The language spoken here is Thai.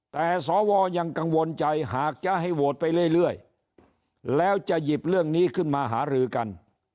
แต่สวยังกังวลใจหากจะให้โหวตไปเรื่อยแล้วจะหยิบเรื่องนี้ขึ้นมาหารือกัน